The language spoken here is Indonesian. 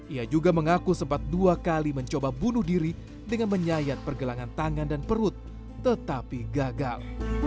ia juga mengaku sempat dua kali mencoba bunuh diri dengan menyayat pergelangan tangan dan perut tetapi gagal